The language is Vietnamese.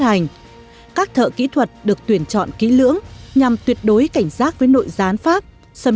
hành các thợ kỹ thuật được tuyển chọn kỹ lưỡng nhằm tuyệt đối cảnh giác với nội gián pháp xâm